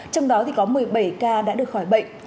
trong đó có một mươi bảy ca đã được khỏi bệnh